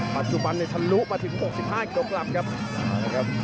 ปัจจุบันเนี่ยทะลุมาถึงหกสิบห้านกลับกลับครับ